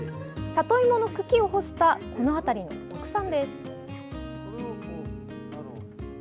里芋の茎を干したこの辺りの特産です。